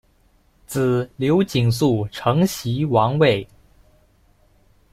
子刘景素承袭王位。